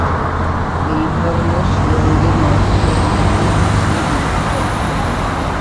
এই ধরনের সুড়ঙ্গের মধ্যে এটিই বিশ্বে দীর্ঘতম।